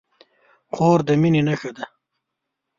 خور د مینې نښه ده.